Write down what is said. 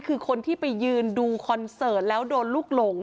คือคนที่ไปยืนดูคอนเสิร์ตแล้วโดนลูกหลง